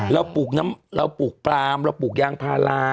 เราปลูกเราปลูกปลามเราปลูกยางพารา